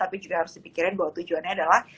tapi juga harus dipikirin bahwa tujuannya adalah